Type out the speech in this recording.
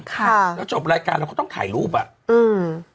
ค่ะแล้วจบรายการเราก็ต้องถ่ายรูปอ่ะอืม